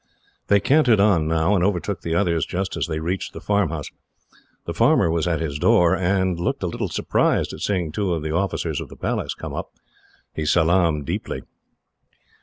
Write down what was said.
They cantered on now, and overtook the others just as they reached the farmhouse. The farmer was at his door, and looked a little surprised at seeing two of the officers of the Palace come up. He salaamed deeply.